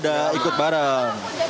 udah ikut bareng